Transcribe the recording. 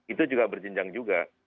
itu juga berjenjang juga